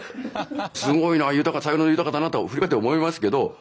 すごいなぁ才能豊かだなぁと振り返って思いますけど。